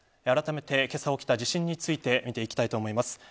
あらためて、今朝起きた地震について見ていきたいと思います。